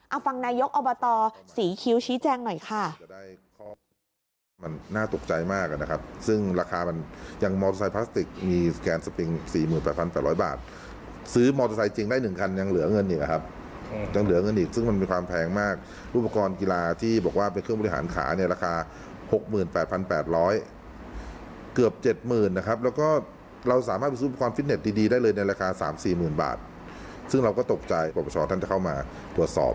เอาฟังนายกอบตศรีคิ้วชี้แจงหน่อยค่ะ